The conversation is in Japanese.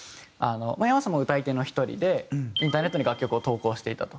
ｙａｍａさんも歌い手の１人でインターネットに楽曲を投稿していたと。